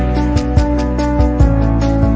ก็พุ่งมัดนะมาส่งประเภทไปกัน